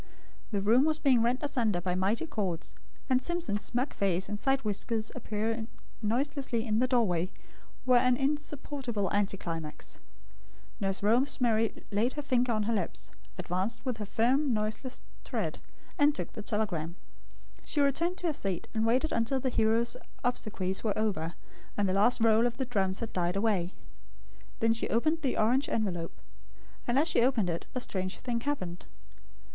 The room was being rent asunder by mighty chords; and Simpson's smug face and side whiskers appearing noiselessly in the doorway, were an insupportable anticlimax. Nurse Rosemary laid her finger on her lips; advanced with her firm noiseless tread, and took the telegram. She returned to her seat and waited until the hero's obsequies were over, and the last roll of the drums had died away. Then she opened the orange envelope. And as she opened it, a strange thing happened.